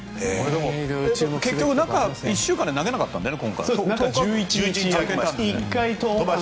結局、中１週間で投げなかったんだよね。